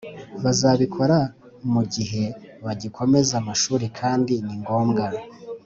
Bazabikora mu gihe bagikomeza amashuri kandi ni ngombwa